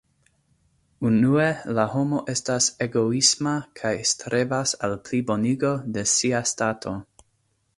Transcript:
Unue, la homo estas egoisma kaj strebas al plibonigo de sia stato.